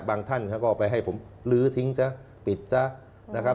ท่านเขาก็ไปให้ผมลื้อทิ้งซะปิดซะนะครับ